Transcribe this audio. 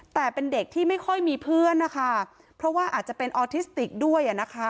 แต่เป็นเด็กที่ไม่ค่อยมีเพื่อนนะคะเพราะว่าอาจจะเป็นออทิสติกด้วยอ่ะนะคะ